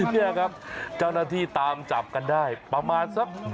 นี่ครับเจ้าหน้าที่ตามจับกันได้ประมาณสัก